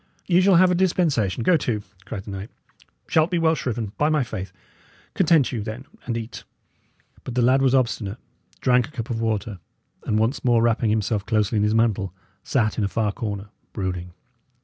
"Ye shall have a dispensation, go to!" cried the knight. "Shalt be well shriven, by my faith! Content you, then, and eat." But the lad was obstinate, drank a cup of water, and, once more wrapping himself closely in his mantle, sat in a far corner, brooding.